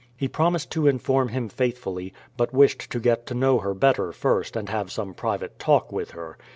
He promised to inform him faithfully, but wished to get to know her better first, and have some private talk with her.